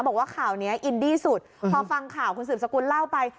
บอกว่าข่าวนี้อินดี้สุดพอฟังข่าวคุณสืบสกุลเล่าไป